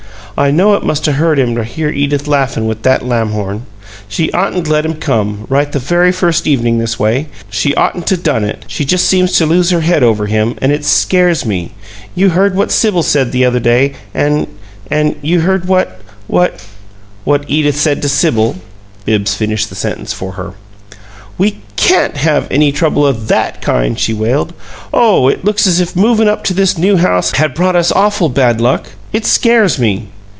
I know it must 'a' hurt him to hear Edith laughin' with that Lamhorn. She'd oughtn't to let him come, right the very first evening this way; she'd oughtn't to done it! She just seems to lose her head over him, and it scares me. You heard what Sibyl said the other day, and and you heard what what " "What Edith said to Sibyl?" Bibbs finished the sentence for her. "We CAN'T have any trouble o' THAT kind!" she wailed. "Oh, it looks as if movin' up to this New House had brought us awful bad luck! It scares me!"